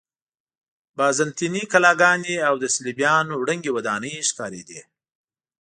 بازنطیني کلاګانې او د صلیبیانو ړنګې ودانۍ ښکارېدې.